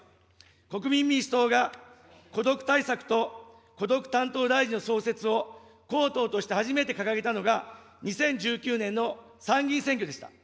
国民民主党が、孤独対策と孤独担当大臣の創設を公党として初めて掲げたのが２０１９年の参議院選挙でした。